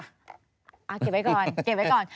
เก็บไว้ก่อน